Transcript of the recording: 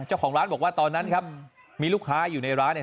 เจ้าของร้านบอกว่าตอนนั้นครับมีลูกค้าอยู่ในร้านเนี่ย